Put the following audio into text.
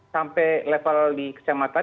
sampai level di kesempatan